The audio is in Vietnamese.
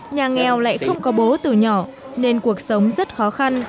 nhà nghèo lại không có bố từ nhỏ nên cuộc sống rất khó khăn